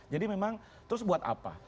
jadi memang terus buat apa